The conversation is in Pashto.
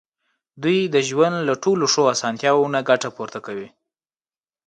دوی د ژوند له ټولو ښو اسانتیاوو نه ګټه پورته کوي.